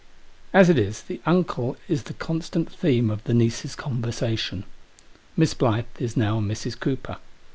As it is, the uncle is the constant theme of the niece's conversation. Miss Blyth is now Mrs. Cooper.